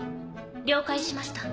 了解しました。